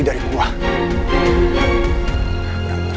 sekarang mau verlier